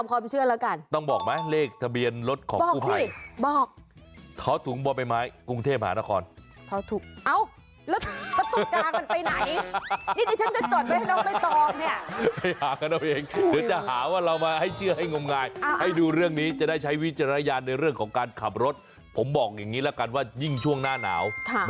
เพราะฉะนั้นก่อนสตาร์ทเช็คให้ดีก่อนแล้วกันนะ